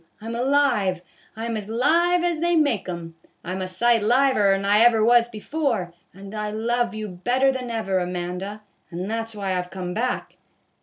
I 'm alive, I 'm as live as they make 'um, I 'm a sight liver 'n I ever was before. And I love you better than ever, Amanda ; and that 's why I've come back."